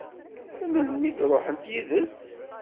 Melmi i ṛuḥent yid-s?